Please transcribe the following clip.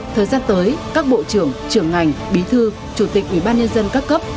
thời gian tới các bộ trưởng trường ngành bí thư chủ tịch ubnd các cấp